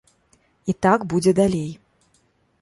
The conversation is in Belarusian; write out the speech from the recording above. І так будзе далей.